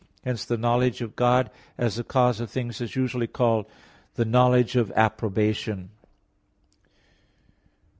Hence the knowledge of God as the cause of things is usually called the "knowledge of approbation."